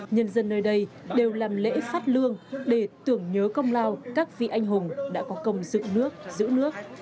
nhân dân nơi đây đều làm lễ phát lương để tưởng nhớ công lao các vị anh hùng đã có công dựng nước giữ nước